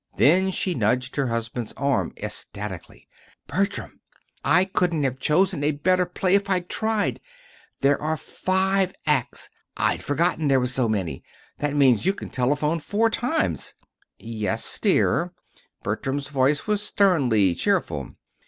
Then she nudged her husband's arm ecstatically. "Bertram, I couldn't have chosen a better play if I'd tried. There are five acts! I'd forgotten there were so many. That means you can telephone four times!" "Yes, dear." Bertram's voice was sternly cheerful.